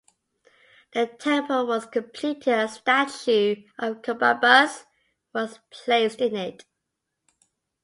The temple was completed and a statue of Combabus was placed in it.